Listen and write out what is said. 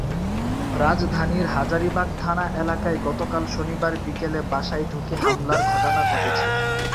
রাজধানীর হাজারীবাগ থানা এলাকায় গতকাল শনিবার বিকেলে বাসায় ঢুকে হামলার ঘটনা ঘটেছে।